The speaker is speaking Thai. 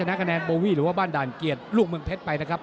หรือว่าบ้านด่านเกียร์ดลูกเมืองเพชรไปนะครับ